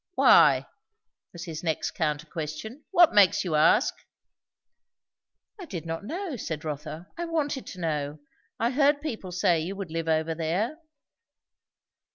"Why?" was his next counter question. "What makes you ask?" "I did not know," said Rotha. "I wanted to know. I heard people say you would live over there."